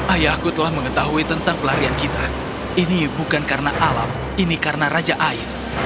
ayahku telah mengetahui tentang pelarian kita ini bukan karena alam ini karena raja air